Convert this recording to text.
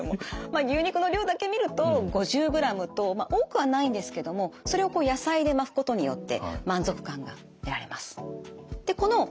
まあ牛肉の量だけ見ると５０ｇと多くはないんですけどもそれを野菜で巻くことによって満足感が得られます。